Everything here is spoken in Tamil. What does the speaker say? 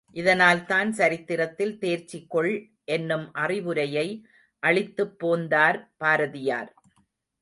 இதனால்தான், சரித்திரத்தில் தேர்ச்சி கொள் என்னும் அறிவுரையை அளித்துப் போந்தார் பாரதியார்.